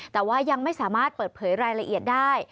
แต่ว่ายังไม่สามารถเปิดเผยรายละเอียดได้